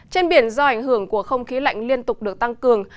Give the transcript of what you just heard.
trên biển do ảnh hưởng của không khí lạnh liên tục được tăng cường